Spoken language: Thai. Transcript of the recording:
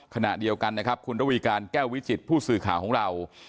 ขณะเดียวกันนะครับคุณระวีการแก้ววิจิตผู้สื่อข่าวของเรา